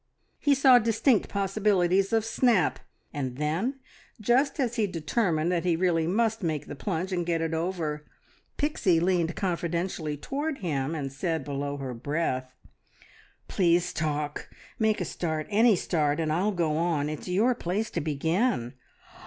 He saw distinct possibilities of snap, and then, just as he determined that he really must make the plunge and get it over, Pixie leaned confidentially toward him and said below her breath "Please talk! Make a start any start and I'll go on. ... It's your place to begin."